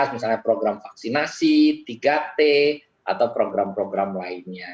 misalnya program vaksinasi tiga t atau program program lainnya